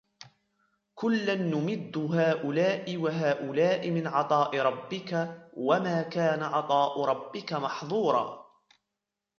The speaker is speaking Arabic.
كلا نمد هؤلاء وهؤلاء من عطاء ربك وما كان عطاء ربك محظورا